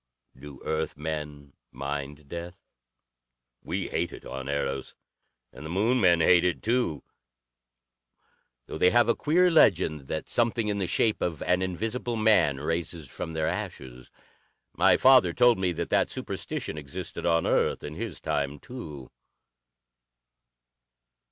Do Earth men mind death? We hate it on Eros, and the Moon men hate it, too, though they have a queer legend that something in the shape of an invisible man raises from their ashes. My father told me that that superstition existed on Earth in his time, too.